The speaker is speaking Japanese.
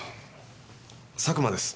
佐久間です